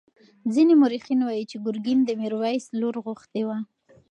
ځینې مورخین وایي چې ګرګین د میرویس لور غوښتې وه.